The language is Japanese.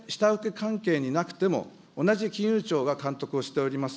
たとえ下請け関係になくても、同じ金融庁が監督をしております